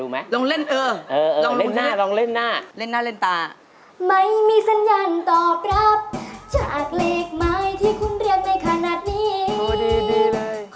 มันไม่อย่างงี้นะลูก